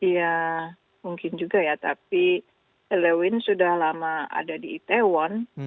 ya mungkin juga ya tapi halloween sudah lama ada di itaewon